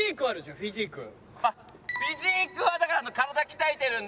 フィジークはだから体鍛えてるんで。